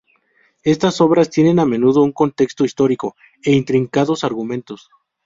Estas obras tienen a menudo un contexto histórico, e intrincados argumentos.